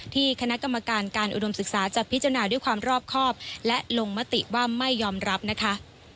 คณะกรรมการการอุดมศึกษาจะพิจารณาด้วยความรอบครอบและลงมติว่าไม่ยอมรับนะคะ